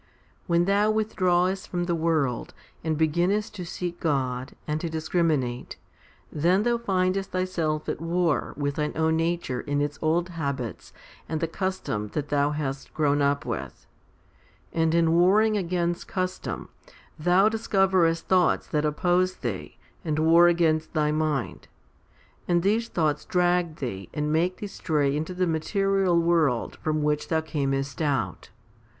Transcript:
When thou withdrawest from the world, and beginnest to seek God, and to discriminate, then thou findest thyself at war with thine own nature in its old habits and the custom that thou hast grown up with ; and in warring against custom, thou discoverest thoughts that oppose thee, and war against thy mind, and these thoughts drag thee and make thee stray into the material world from which thou earnest out.